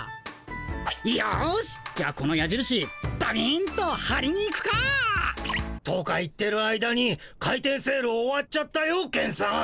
よしじゃあこのやじるしバビンとはりに行くか。とか言ってる間に開店セール終わっちゃったよケンさん。